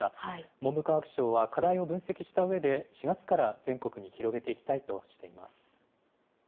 文部科学省は、課題を分析したうえで、４月から全国に広げていきたいとしています。